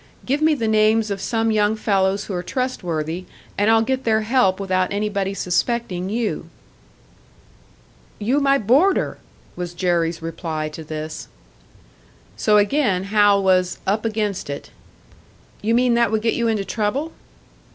"Give me the names of some young fellows who are trustworthy, and I'll get their help without anybody suspecting you." "You my boarder!" was Jerry's reply to this. So again Hal was "up against it." "You mean that would get you into trouble?"